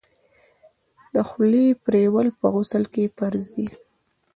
د خولې پریولل په غسل کي فرض دي.